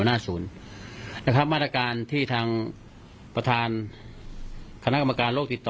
หน้าศูนย์นะครับมาตรการที่ทางประธานคณะกรรมการโลกติดต่อ